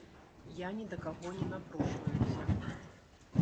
Я ні да каго не напрошваюся.